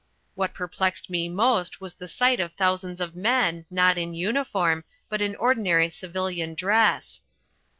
What perplexed me most was the sight of thousands of men, not in uniform, but in ordinary civilian dress.